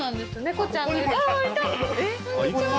こんにちは。